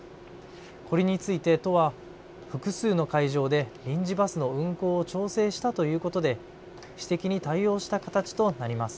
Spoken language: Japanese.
これについて都は複数の会場で臨時バスの運行を調整したということで指摘に対応した形となります。